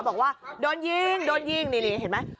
บอกว่าโดนยิงโดนยิงนี่เห็นไหม